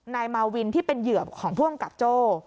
นายมาวินที่เป็นเหยื่อของผู้กำกับโจ้